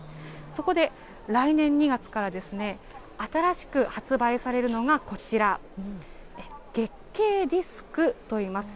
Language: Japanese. そこで、来年２月から新しく発売されるのがこちら、月経ディスクといいます。